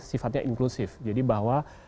sifatnya inklusif jadi bahwa